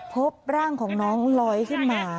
พบร่างของน้องลอยขึ้นมา